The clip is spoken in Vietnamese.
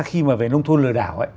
khi mà về nông thôn lừa đảo ấy